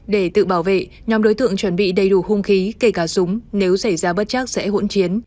để tự bảo vệ nhóm đối tượng chuẩn bị đầy đủ hung khí kể cả súng nếu xảy ra bất chắc sẽ hỗn chiến